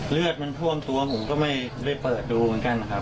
เลือดมันท่วมตัวผมก็ไม่ได้เปิดดูเหมือนกันนะครับ